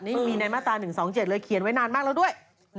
นี่มีในมาตรา๑๒๗เลยเขียนไว้นานมากแล้วด้วย